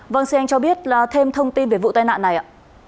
vâng xin anh cho biết là thêm thông tin về vụ tai nạn này ạ